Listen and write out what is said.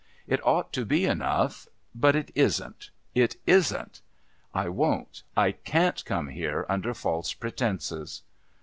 It ought to be enough. But it isn't. It isn't. I won't I can't come here under false pretences."